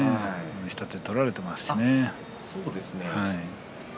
下手を取られてますしね。